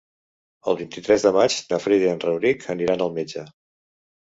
El vint-i-tres de maig na Frida i en Rauric aniran al metge.